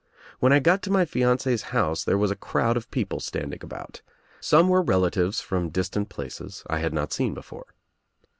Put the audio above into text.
When I got to my fiancee's house there was a crowd of people standing about. Some were relatives from distant places I had not seen be fore.